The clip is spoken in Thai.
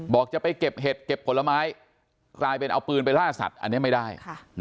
บอกจะไปเก็บเห็ดเก็บผลไม้กลายเป็นเอาปืนไปล่าสัตว์อันนี้ไม่ได้